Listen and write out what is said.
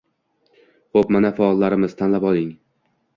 — Xo‘p, mana faollarimiz, tanlab oling.